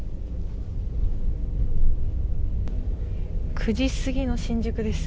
９時過ぎの新宿です。